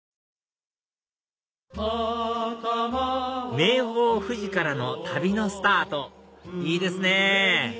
名峰富士からの旅のスタートいいですね！